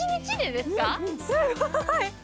すごい！